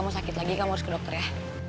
mohon makasih banget ya